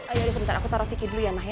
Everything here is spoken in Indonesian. ayo udah sebentar aku taro viki dulu ya ma ya